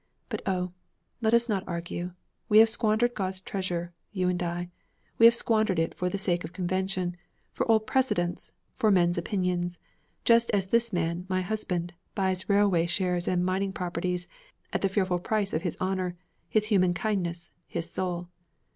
'But, oh, let us not argue. We have squandered God's treasure, you and I. We have squandered it for the sake of convention, for old precedents, for men's opinions; just as this man, my husband, buys railway shares and mining properties at the fearful price of his honor, his human kindness, his soul.